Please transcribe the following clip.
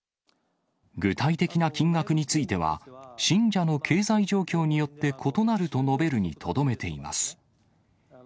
具体的な金額については、信者の経済状況によって異なると述べるにとどめています。